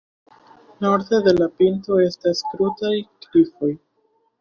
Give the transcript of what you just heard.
Norde de la pinto estas krutaj klifoj.